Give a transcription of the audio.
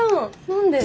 何で？